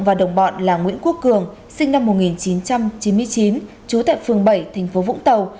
và đồng bọn là nguyễn quốc cường sinh năm một nghìn chín trăm chín mươi chín chú tại phường bảy tp vũng tàu